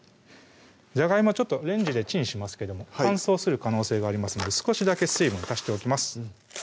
じゃがいもレンジでチンしますけども乾燥する可能性がありますので少しだけ水分足しておきます